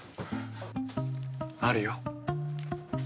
あるよ。